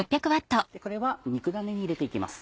これは肉ダネに入れて行きます。